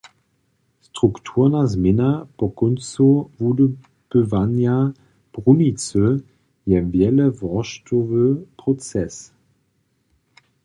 Strukturna změna po kóncu wudobywanja brunicy je wjeleworštowy proces.